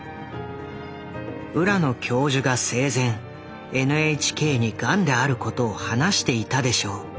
「浦野教授が生前ＮＨＫにがんであることを話していたでしょう。